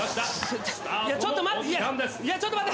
いやちょっと待って。